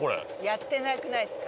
やってなくないですか？